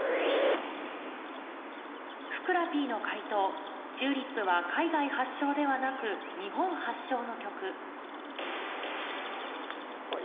ふくらＰの解答『チューリップ』は海外発祥ではなく日本発祥の曲こい。